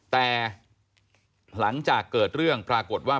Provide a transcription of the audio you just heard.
แต่หลังจากเกิดเรื่องปรากฏว่า